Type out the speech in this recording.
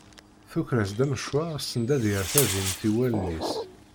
Tuker-as-d amecwar send ad yerr tadimt i wallen-is.